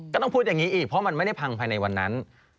ก็ต้องพูดอย่างนี้อีกเพราะมันไม่ได้พังภายในวันนั้น